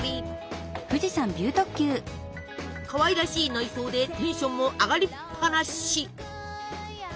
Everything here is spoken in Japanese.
かわいらしい内装でテンションも上がりっぱなし！